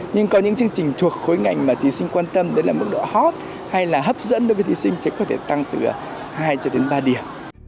nhưng có những chương trình thuộc khối ngành mà thí sinh quan tâm đến là mức độ hot hay là hấp dẫn đối với thí sinh sẽ có thể tăng từ hai ba điểm